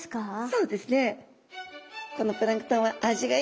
そうです